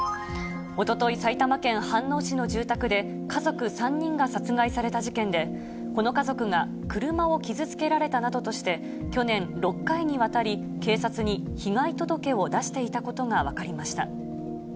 おととい、埼玉県飯能市の住宅で、家族３人が殺害された事件で、この家族が車を傷つけられたなどとして、去年、６回にわたり警察に被害届を出していたことが分かりました。